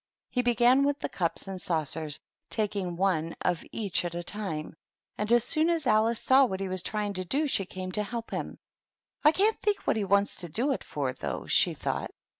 He began with the cups and saucers, taking one of each at a time ; and as soon as Alice saw what he was trying to do she came to help him. "I can't think what he wants to do it for, though," she thought.